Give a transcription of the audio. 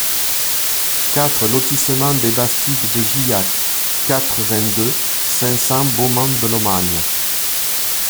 quatre lotissement Des Bastides de Gillac, quatre-vingt-deux, cinq cents, Beaumont-de-Lomagne